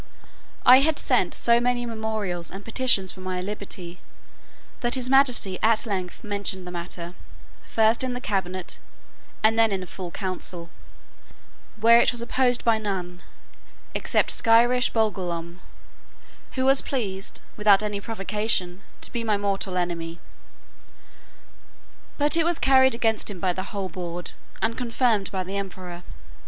I had sent so many memorials and petitions for my liberty, that his majesty at length mentioned the matter, first in the cabinet, and then in a full council; where it was opposed by none, except Skyresh Bolgolam, who was pleased, without any provocation, to be my mortal enemy. But it was carried against him by the whole board, and confirmed by the emperor.